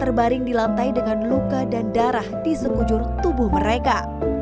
terbaring di lantai dengan luka dan darah di sekujur tubuh mereka